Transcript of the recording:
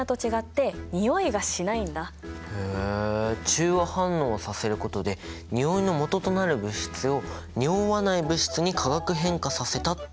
中和反応させることでにおいのもととなる物質をにおわない物質に化学変化させたっていうことか。